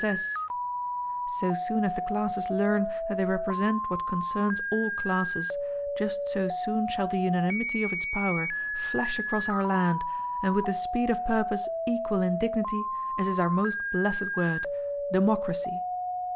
S. S." So soon as the classes learn that they represent what concerns all classes just so soon shall the unanimity of its power flash across our land and with the speed of purpose equal in dignity as is our most blessed word— democracy.